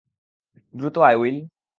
দ্রুত আয়, উইল।